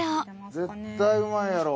絶対美味いやろ。